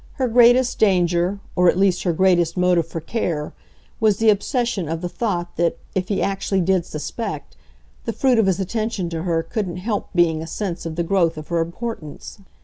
Her greatest danger, or at least her greatest motive for care, was the obsession of the thought that, if he actually did suspect, the fruit of his attention to her couldn't help being a sense of the growth of her importance.